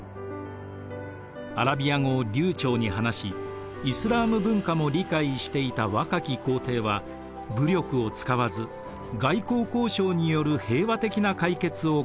アラビア語を流ちょうに話しイスラーム文化も理解していた若き皇帝は武力を使わず外交交渉による平和的な解決を試みました。